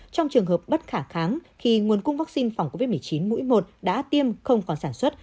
trong trường hợp bất khả kháng khi nguồn cung vaccine phòng covid một mươi chín mũi một đã tiêm không còn sản xuất